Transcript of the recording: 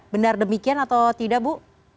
benar demikian atau tidak bu